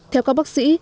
theo các bác sĩ